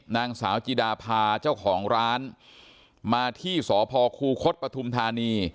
นางสาวจิดาพาเจ้าของร้านมาที่สพคูคศปฐุมธานี